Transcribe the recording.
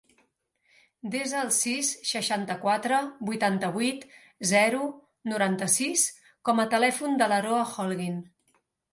Desa el sis, seixanta-quatre, vuitanta-vuit, zero, noranta-sis com a telèfon de l'Aroa Holguin.